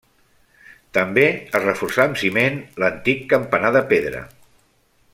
També es reforçà, amb ciment, l'antic campanar de pedra.